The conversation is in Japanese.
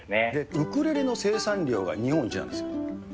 ウクレレの生産量が日本一なんですよ。